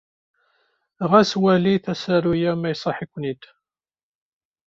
Ɣas walit asaru-a ma iṣaḥ-iken-id.